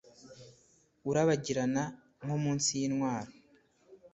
urabagirana, nko munsi yintwaro